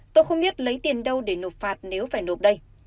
tôi không biết lấy tiền đâu để nộp phạt nếu phải nộp đây